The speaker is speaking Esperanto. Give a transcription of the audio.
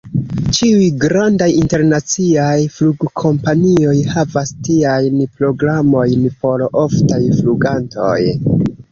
Ĉiuj grandaj internaciaj flugkompanioj havas tiajn programojn por oftaj flugantoj.